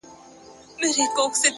لوړ هدفونه دوامداره انرژي غواړي!.